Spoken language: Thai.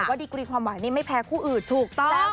เพราะความหวังนี้ไม่แพ้คู่อื่น